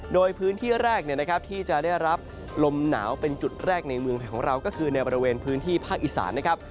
โดยพื้นที่แรกที่จะได้รับลมหนาวเป็นจุดแรกในเมืองไทยของเราก็คือในบริเวณพื้นที่ภาคอีสานนะครับ